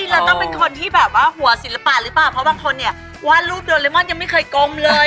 เราต้องเป็นคนที่แบบว่าหัวศิลปะหรือเปล่าเพราะบางคนเนี่ยวาดรูปโดเรมอนยังไม่เคยกลมเลย